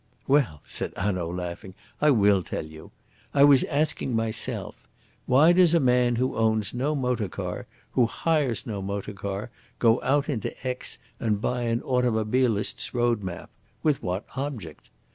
"Well," said Hanaud, laughing, "I will tell you. I was asking myself: 'Why does a man who owns no motor car, who hires no motor car, go out into Aix and buy an automobilist's road map? With what object?'